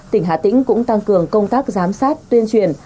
tỉnh hà tĩnh cũng tăng cường công tác giám sát tuyên truyền